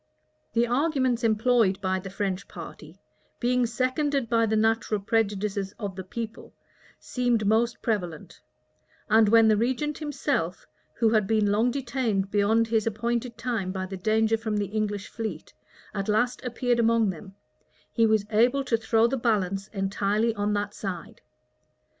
[*]* Buchanan, lib. xiv. The arguments employed by the French party, being seconded by the natural prejudices of the people, seemed most prevalent: and when the regent himself, who had been long detained beyond his appointed time by the danger from the English fleet, at last appeared among them, he was able to throw the balance entirely on that side.